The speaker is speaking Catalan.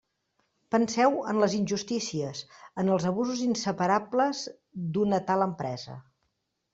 Penseu en les injustícies, en els abusos inseparables d'una tal empresa.